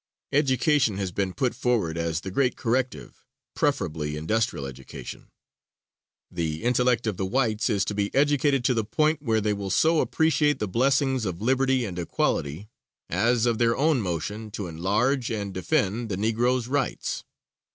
Education has been put forward as the great corrective preferably industrial education. The intellect of the whites is to be educated to the point where they will so appreciate the blessings of liberty and equality, as of their own motion to enlarge and defend the Negro's rights.